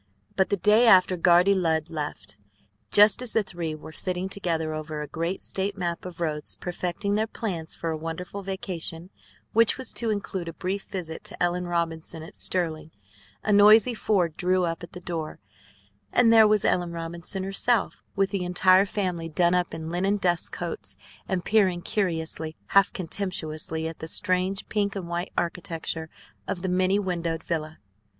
But the day after Guardy Lud left, just as the three were sitting together over a great State map of roads, perfecting their plans for a wonderful vacation, which was to include a brief visit to Ellen Robinson at Sterling, a noisy Ford drew up at the door, and there was Ellen Robinson herself, with the entire family done up in linen dust coats and peering curiously, half contemptuously, at the strange pink and white architecture of the many windowed "villa."